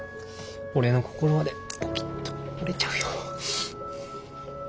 俺の心までポキッと折れちゃうよ。